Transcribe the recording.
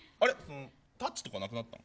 タッチとかなくなったん。